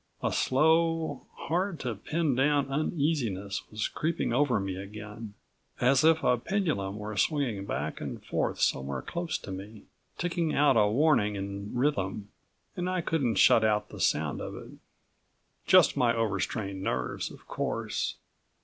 A slow, hard to pin down uneasiness was creeping over me again, as if a pendulum were swinging back and forth somewhere close to me, ticking out a warning in rhythm and I couldn't shut out the sound of it. Just my over strained nerves, of course.